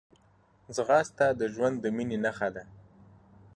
ځغاسته د ژوند د مینې نښه ده